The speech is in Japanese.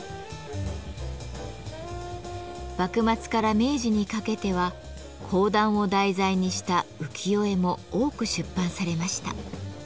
幕末から明治にかけては講談を題材にした浮世絵も多く出版されました。